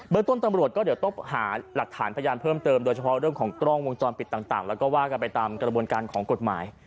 ต้นตำรวจก็เดี๋ยวต้องหาหลักฐานพยานเพิ่มเติมโดยเฉพาะเรื่องของกล้องวงจรปิดต่างแล้วก็ว่ากันไปตามกระบวนการของกฎหมาย